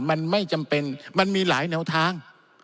มันไม่จำเป็นมันมีหลายแนวทาง